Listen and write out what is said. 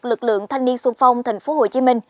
lực lượng thanh niên xuân phong tp hcm